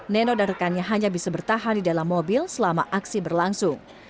nenowarisman hanya bisa bertahan di dalam mobil selama aksi berlangsung